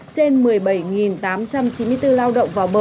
trên một mươi bảy tám trăm chín mươi bốn lao động vào bờ